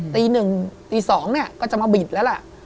ตีหนึ่งตีสองก็จะมาบิดแล้วล่ะ